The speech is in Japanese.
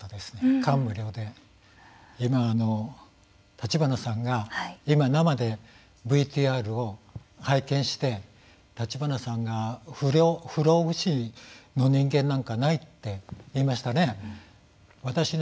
感無量で今、立花さんが今、生でＶＴＲを拝見して立花さんが不老不死の人間なんかないって言いましたね。